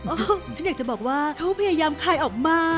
ฉันอยากจะบอกว่าเขาพยายามคลายออกมา